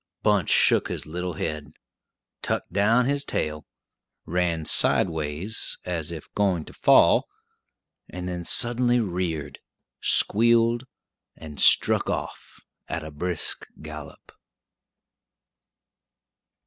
Bunch shook his little head, tucked down his tail, ran sideways, as if going to fall, and then suddenly reared, squealed, and struck off at a brisk gallop.